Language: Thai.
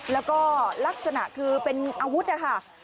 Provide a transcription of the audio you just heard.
แล้วก็ลักษณะคือเป็นอาวุธนะคะ